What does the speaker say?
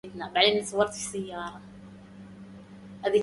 ولئيم جئته في حاجة